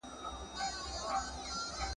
یو داسې نا معلومه وعده راکړه چې پرې پایم